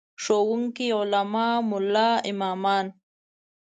ښوونکي، علما، ملا امامان.